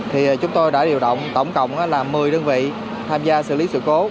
thì chúng tôi đã điều động tổng cộng là một mươi đơn vị tham gia xử lý sự cố